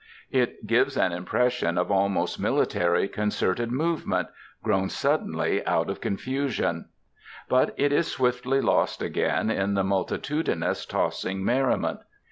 It gives an impression of almost military concerted movement, grown suddenly out of confusion. But it is swiftly lost again in the multitudinous tossing merriment.